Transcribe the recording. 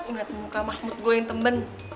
nggak temukan mahmud gue yang temben